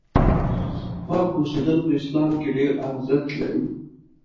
پاک اوسېدل په اسلام کې ډېر ارزښت لري.